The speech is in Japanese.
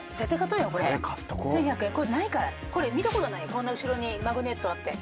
こんな後ろにマグネットあって。